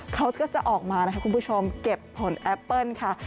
เขาก็จะออกมานะคะคุณผู้ชมเก็บผลแอปเปิ้ลค่ะ